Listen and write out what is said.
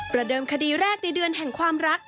เดิมคดีแรกในเดือนแห่งความรัก